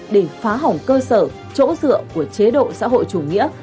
để phá hỏng cơ sở chỗ dựa của chế độ xã hội chủ nghĩa